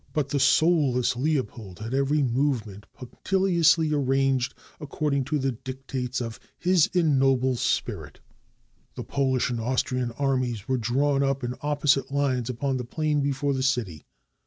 But the soulless Leopold had every movement punc tiliously arranged according to the dictates of his ignoble 316 HOW JOHN SOBIESKI SAVED VIENNA spirit. The Polish and Austrian armies were drawn up in opposite Hnes upon the plain before the city.